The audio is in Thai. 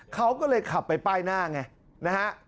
เขาก็เลยขับไปป้ายหน้าไงนะฮะ